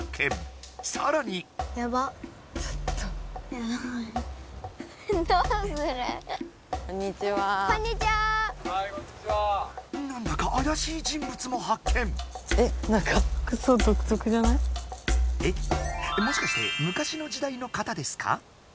えっなんかえもしかして昔の時代の方ですか？